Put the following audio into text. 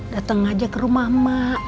dateng aja ke rumah mak